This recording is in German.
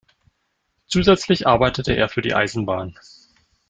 Zusätzlich arbeitete er für die Eisenbahn.